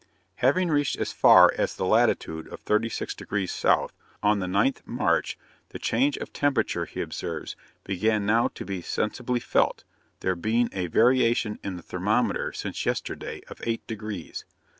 Having reached as far as the latitude of 36 degrees south, on the 9th March, 'the change of temperature,' he observes, 'began now to be sensibly felt, there being a variation in the thermometer, since yesterday, of eight degrees.